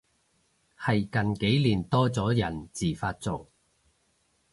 係近幾年多咗人自發做